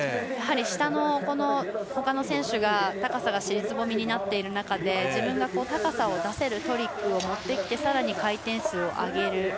やはり下で、ほかの選手が高さが尻すぼみになる中で自分が高さを出せるトリックを持ってきてさらに回転数を上げる。